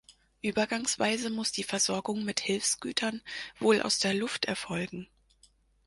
Übergangsweise muss die Versorgung mit Hilfsgütern wohl aus der Luft erfolgen.